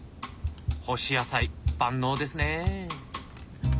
干し野菜万能ですね。